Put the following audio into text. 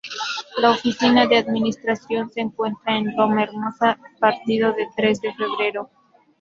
La oficina de administración se encuentra en Loma Hermosa, partido de Tres de Febrero.